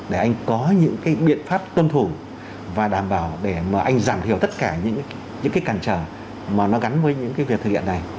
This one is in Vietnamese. để anh có những biện pháp tuân thủ và đảm bảo để anh giảm thiểu tất cả những cản trở mà nó gắn với những việc thực hiện này